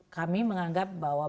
kami menganggap bahwa